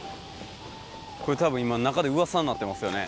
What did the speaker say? これたぶん今中でうわさになってますよね。